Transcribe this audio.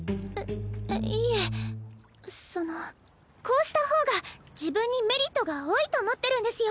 いいえそのこうした方が自分にメリットが多いと思ってるんですよ。